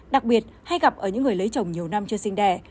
đặc biệt hay gặp ở những người lấy chồng nhiều năm chưa sinh đẻ